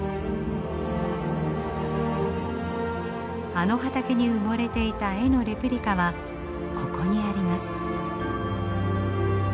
あの畑に埋もれていた絵のレプリカはここにあります。